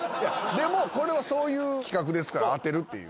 でもこれはそういう企画ですからあてるっていう。